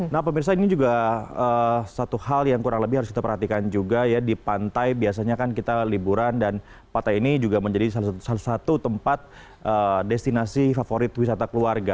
nah pemirsa ini juga satu hal yang kurang lebih harus kita perhatikan juga ya di pantai biasanya kan kita liburan dan pantai ini juga menjadi salah satu tempat destinasi favorit wisata keluarga